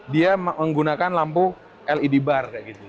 dia menggunakan lampu led bar kayak gitu